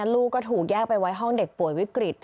ลูกก็ถูกแยกไปไว้ห้องเด็กป่วยวิกฤต